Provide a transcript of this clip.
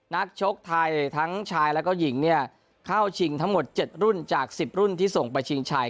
ชกไทยทั้งชายแล้วก็หญิงเนี่ยเข้าชิงทั้งหมด๗รุ่นจาก๑๐รุ่นที่ส่งไปชิงชัย